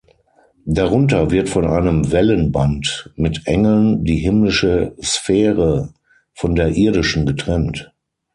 Darunter wird von einem Wellenband mit Engeln die himmlische Sphäre von der irdischen getrennt.